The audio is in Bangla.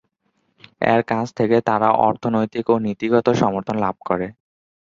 এর কাছ থেকে তারা অর্থনৈতিক ও নীতিগত সমর্থন লাভ করে।